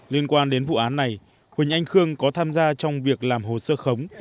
liên quan đến vụ án này huỳnh anh khương có tham gia trong việc làm hồ sơ khống